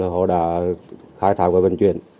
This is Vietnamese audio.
họ đã khai thác và vận chuyển